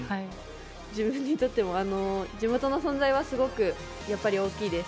自分にとっても地元の存在はすごく大きいです。